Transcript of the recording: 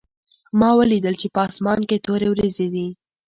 ما ولیدل چې په اسمان کې تورې وریځې دي